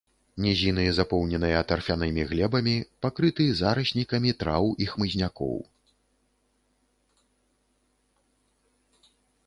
Нізіны, запоўненыя тарфянымі глебамі, пакрыты зараснікамі траў і хмызнякоў.